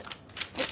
はい。